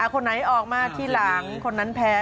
คนไหนออกมาทีหลังคนนั้นแพ้